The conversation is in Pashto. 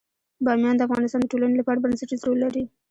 بامیان د افغانستان د ټولنې لپاره بنسټيز رول لري.